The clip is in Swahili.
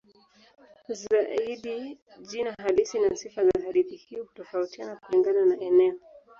Zaidi jina halisi na sifa za hadithi hiyo hutofautiana kulingana na eneo.